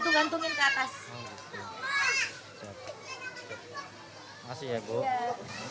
digantung gantungin ke atas